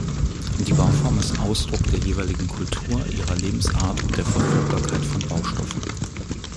Die Bauform ist Ausdruck der jeweiligen Kultur, ihrer Lebensart und der Verfügbarkeit von Baustoffen.